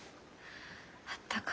あったか。